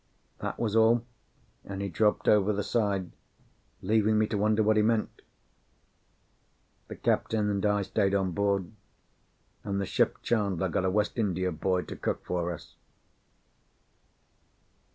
That was all; and he dropped over the side, leaving me to wonder what he meant. The captain and I stayed on board, and the ship chandler got a West India boy to cook for us.